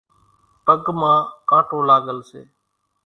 پڳ مان ڪانٽو لاڳل سي۔